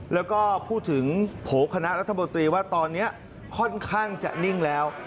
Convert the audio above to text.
แล้วก็พูดถึงโผล่คณะรัฐมนตรีว่าตอนนี้ค่อนข้างจะนิ่งแล้ว